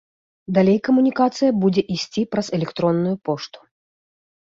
Далей камунікацыя будзе ісці праз электронную пошту.